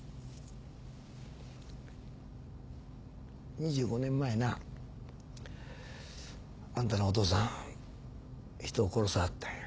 ２５年前なあんたのお父さん人を殺さはったんや。